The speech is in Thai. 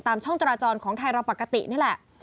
ช่องจราจรของไทยเราปกตินี่แหละ